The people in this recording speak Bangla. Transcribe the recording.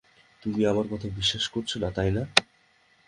তুমি আমার কথা বিশ্বাস করছ না, তাই না?